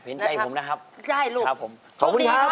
เป็นใจผมนะครับครับผมสวัสดีครับขอบคุณครับใช่ลูก